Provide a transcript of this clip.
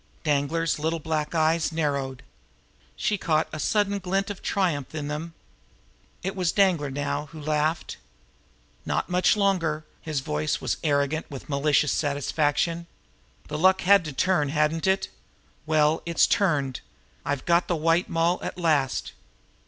Danglar's little black eyes narrowed. She caught a sudden glint of triumph in them. It was Danglar now who laughed. "Not much longer!" His voice was arrogant with malicious satisfaction. "The luck had to turn, hadn't it? Well, it's turned! I've got the White Moll at last!"